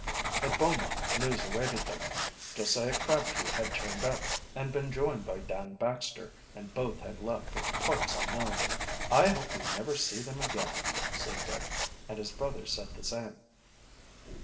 At Boma news awaited them. Josiah Crabtree had turned up and been joined by Dan Baxter, and both had left for parts unknown. "I hope we never see them again," said Dick, and his brothers said the same.